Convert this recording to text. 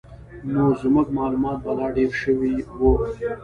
نو زموږ معلومات به لا ډېر شوي وو.